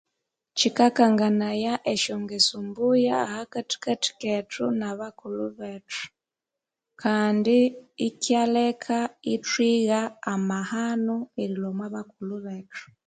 Kyikakanganaya esya ngeso mbuya ahakathikathiketho nabakulhu bethu kandi ikyaleka ithwigha amahano erilhwa omwa bakulhu bethu.